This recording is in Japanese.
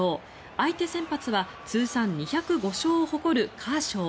相手先発は通算２０５勝を誇るカーショー。